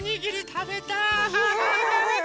たべたい！